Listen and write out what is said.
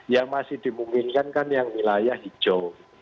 yang masih dimungkinkan kan yang wilayah hijau